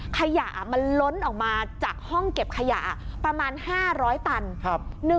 ขยะมันล้นออกมาจากห้องเก็บขยะประมาณ๕๐๐ตัน